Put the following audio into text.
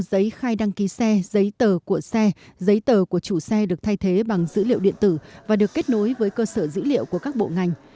giấy khai đăng ký xe giấy tờ của xe giấy tờ của chủ xe được thay thế bằng dữ liệu điện tử và được kết nối với cơ sở dữ liệu của các bộ ngành